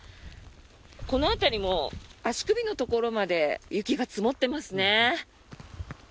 この辺りも足首のところまで雪が積もっていますね。